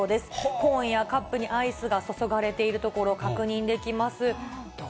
コーンやカップにアイスが注がれているところ、確認できます。